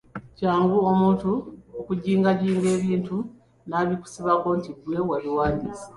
Kyangu omuntu okujingajinga ebintu n’abikusibako nti ggwe wabiwandiise.